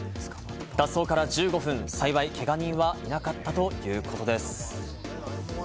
脱走から１５分、幸い、けが人はなかったということです。